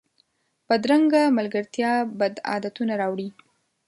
بدرنګه ملګرتیا بد عادتونه راوړي